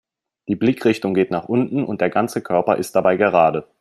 Die Blickrichtung geht nach unten und der ganze Körper ist dabei gerade.